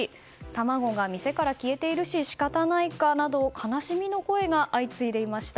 卵が店から消えているし仕方ないかなど悲しみの声が相次いでいました。